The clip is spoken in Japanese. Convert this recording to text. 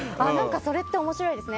それって面白いですね。